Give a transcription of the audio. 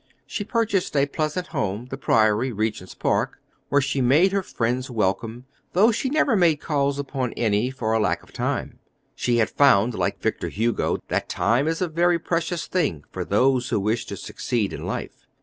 She purchased a pleasant home, "The Priory," Regent's Park, where she made her friends welcome, though she never made calls upon any, for lack of time. She had found, like Victor Hugo, that time is a very precious thing for those who wish to succeed in life.